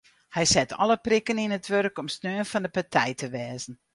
Hy set alle prikken yn it wurk om sneon fan de partij te wêze.